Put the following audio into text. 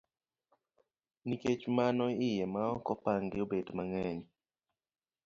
Nikech mano iye ma ok opangi obet mang'eny.